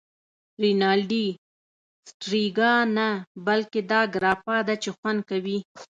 رینالډي: سټریګا نه، بلکې دا ګراپا ده چې خوند کوی.